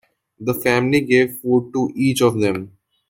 The family gave food to each of them.